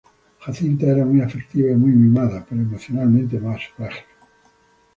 Jacinta era más afectiva y muy mimada, pero emocionalmente más frágil.